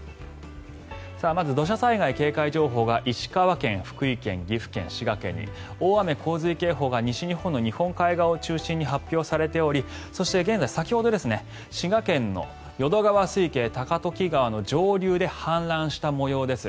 まず土砂災害警戒情報が石川県、福井県岐阜県、滋賀県に大雨・洪水警報が西日本の日本海側を中心に発表されておりそして現在、先ほど滋賀県の淀川水系高時川の上流で氾濫した模様です。